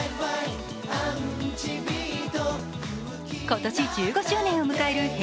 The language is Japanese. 今年１５周年を迎えるＨｅｙ！